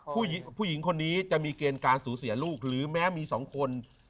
ผู้หญิงคนนี้จะมีเกณฑ์การสูญเสียลูกหรือแม้มี๒คน